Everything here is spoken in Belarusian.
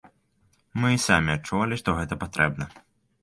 Мы і самі адчувалі, што гэта патрэбна.